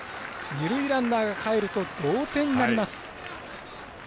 二塁ランナーがかえると同点になります。